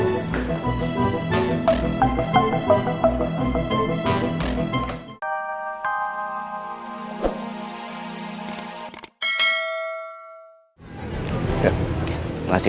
siap pak bos